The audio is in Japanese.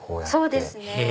そうですね。